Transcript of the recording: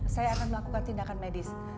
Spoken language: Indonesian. saya akan melakukan tindakan medis